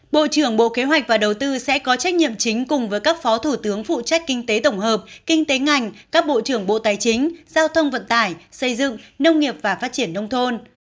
bộ trưởng bộ kế hoạch và đầu tư sẽ có trách nhiệm chính cùng với các phó thủ tướng phụ trách kinh tế tổng hợp kinh tế ngành các bộ trưởng bộ tài chính giao thông vận tải xây dựng nông nghiệp và phát triển nông thôn